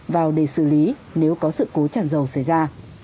vào để xử lý nếu có sự cố tràn dầu xảy ra